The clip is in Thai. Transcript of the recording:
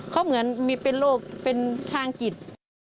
เขาเหมือนมีเป็นโรคเป็นทางจิต